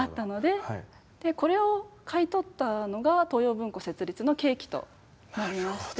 これを買い取ったのが東洋文庫設立の契機となりまして。